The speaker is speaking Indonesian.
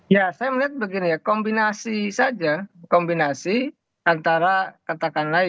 ya saya melihat begini ya kombinasi saja kombinasi antara katakanlah